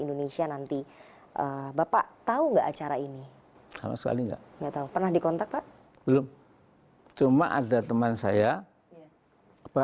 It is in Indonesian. indonesia nanti bapak tahu gak cara ini sama sekali gak pernah dikontak tak belum cuma ada teman saya